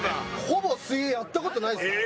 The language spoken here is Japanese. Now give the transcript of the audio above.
ほぼ水泳やった事ないですから。